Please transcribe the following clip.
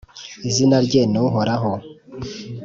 izina rye ni Uhoraho!